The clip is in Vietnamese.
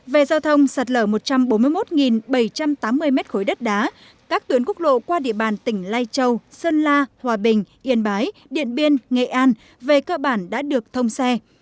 về giao thông sạt lở một trăm bốn mươi một bảy trăm tám mươi m ba đất đá các tuyến quốc lộ qua địa bàn tỉnh lai châu sơn la hòa bình yên bái điện biên nghệ an về cơ bản đã được thông xe